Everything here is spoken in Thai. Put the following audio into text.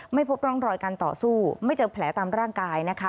ไม่พบร่องรอยการต่อสู้ไม่เจอแผลตามร่างกายนะคะ